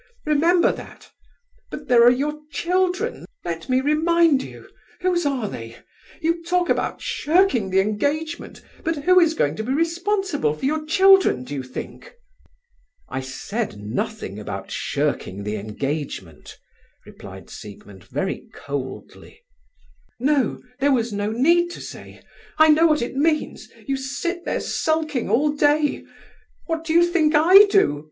Remember that. But there are your children, let me remind you. Whose are they? You talk about shirking the engagement, but who is going to be responsible for your children, do you think?" "I said nothing about shirking the engagement," replied Siegmund, very coldly. "No, there was no need to say. I know what it means. You sit there sulking all day. What do you think I do?